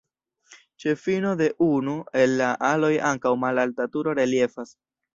Ĉe fino de unu el la aloj ankaŭ malalta turo reliefas.